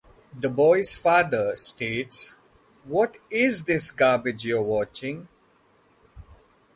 The boy's father, states What is this garbage you're watching?